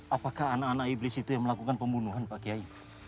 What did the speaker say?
apakah anak anak iblis itu yang melakukan pembunuhan pak kiai